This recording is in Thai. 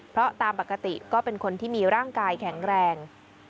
เพราะตามปกติก็เป็นคนที่มีร่างกายแข็งแรง